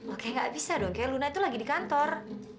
oke gak bisa dong kayaknya luna itu lagi di kantor